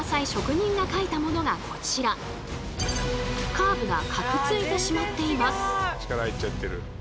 カーブが角ついてしまっています。